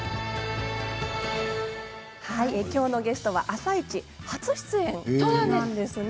きょうのゲストは「あさイチ」初出演なんですね。